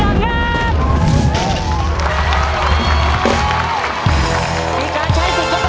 มีการใช้สิทธิ์ยกกำลังทราบเกิดขึ้นแล้วนะครับ